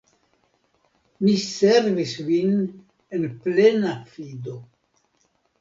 Mi servis vin en plena fido.